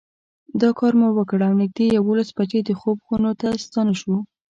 دا کار مو وکړ او نږدې یوولس بجې د خوب خونو ته ستانه شوو.